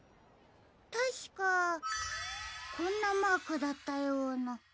たしかこんなマークだったような。